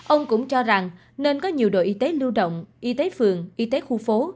ông cũng cho rằng nên có nhiều đội y tế lưu động y tế phường y tế khu phố